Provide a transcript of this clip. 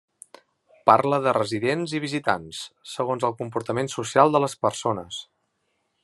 Parla de residents i visitants, segons el comportament social de les persones.